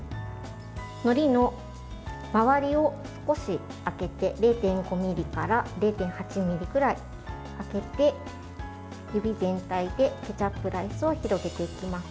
のりの周りを少し空けて０．５ｍｍから０．８ｍｍくらい空けて指全体でケチャップライスを広げていきます。